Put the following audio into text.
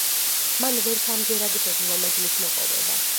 მან ვერც ამჯერად შეძლო მედლის მოპოვება.